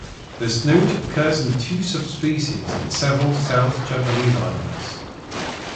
This newt occurs in two subspecies on several south Japanese islands.